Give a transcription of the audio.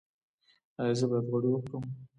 ایا زه باید غوړي وخورم؟